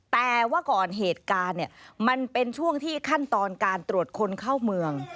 แต่ว่าก่อนเหตุการณ์เนี่ยมันเป็นช่วงที่ขั้นตอนการตรวจคนเข้าเมือง